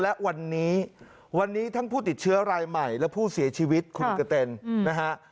และวันนี้วันนี้ทั้งผู้ติดเชื้อรายใหม่และผู้เสียชีวิตคุณกระเต็นนะฮะ